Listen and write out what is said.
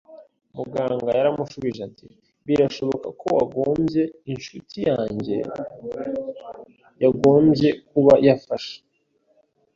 Muganga yaramushubije ati “birashoboka ko wagombye.” “Incuti yanjye yagombye kuba yafashe